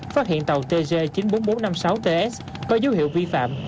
phát hiện tàu tg chín mươi bốn nghìn bốn trăm năm mươi sáu ts có dấu hiệu vi phạm